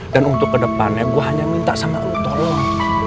dan untuk kedepannya gue hanya minta sama elu tolong